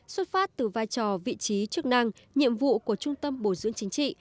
xuất phát từ vai trò vị trí chức năng nhiệm vụ của trung tâm bồi dưỡng chính trị